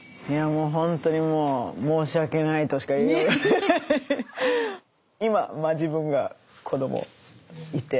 いやもうほんとにもう申し訳ないとしか言いようがない。